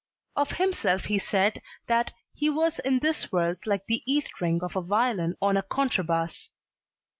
Of himself he said that "he was in this world like the E string of a violin on a contrabass."